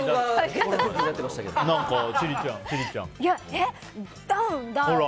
何か千里ちゃん。